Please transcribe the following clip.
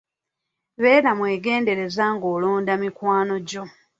Beera mwegendereza ng'olonda mikwano gyo.